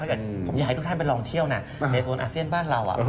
เกิดผมอยากให้ทุกท่านไปลองเที่ยวนะในโซนอาเซียนบ้านเรา